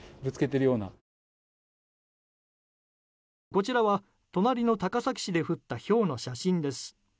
こちらは、隣の高崎市で降ったひょうの写真です。